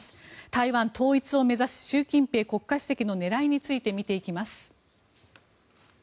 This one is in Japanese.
台湾統一を目指す習近平国家主席の狙いについて見ていきます。